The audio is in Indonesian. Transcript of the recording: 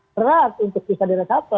berat untuk bisa di reshuffle